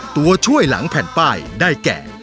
ตัวช่วยหลังแผ่นป้ายได้แก่